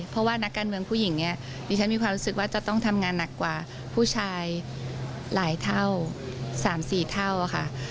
เพราะว่านักการเมืองผู้หญิงเนี่ยดิฉันมีความรู้สึกว่าจะต้องทำงานหนักกว่าผู้ชายหลายเท่า๓๔เท่าค่ะ